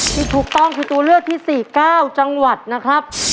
ที่ถูกต้องคือตัวเลือกที่๔๙จังหวัดนะครับ